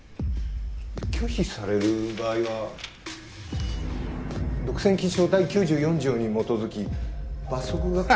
拒否される場合は独占禁止法第９４条に基づき罰則が。